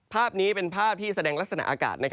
ภาพนี้เป็นภาพที่แสดงลักษณะอากาศ